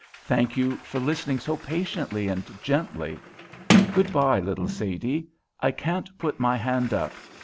Thank you for listening so patiently and gently. Good bye, little Sadie! I can't put my hand up.